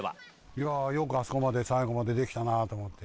いやー、よくあそこまで、最後までできたなと思って。